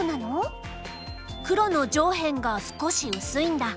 黒の上辺が少し薄いんだ。